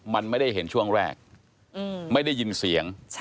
มันไม่ได้เห็นช่วงแรกไม่ได้ยินเสียง